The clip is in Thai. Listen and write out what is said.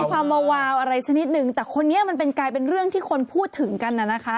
ความวาวาวอะไรสักนิดนึงแต่คนนี้มันเป็นกลายเป็นเรื่องที่คนพูดถึงกันน่ะนะคะ